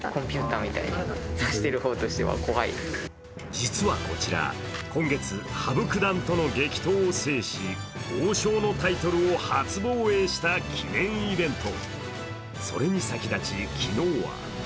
実はこちら、今月羽生九段との激闘を制し王将のタイトルを初防衛した記念イベント。